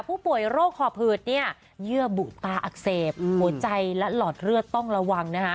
๓ผู้ป่วยโรคขอบหืดเยื่อบุตรตาอักเสบหัวใจและหลอดเลือดต้องระวัง